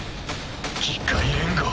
議会連合。